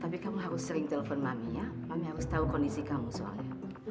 tapi kamu harus sering telepon maminya mami harus tahu kondisi kamu soalnya